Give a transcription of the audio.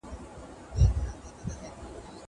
زه پرون ليکلي پاڼي ترتيب کوم!